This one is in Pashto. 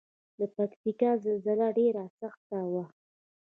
د پکتیکا زلزله ډیره سخته وه